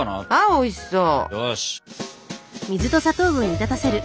あおいしそう。